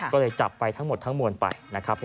ก็เลยจับไปทั้งหมดทั้งมวลไปนะครับ